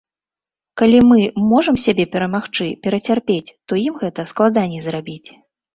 Калі мы можам сябе перамагчы, перацярпець, то ім гэта складаней зрабіць.